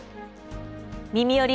「みみより！